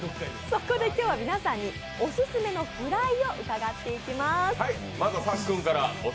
そこで今日は、皆さんにオススメのフライを伺っていきます。